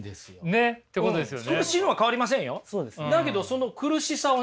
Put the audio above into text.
ねっ。ってことですよね。